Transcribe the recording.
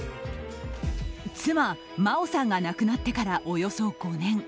妻・麻央さんが亡くなってからおよそ５年。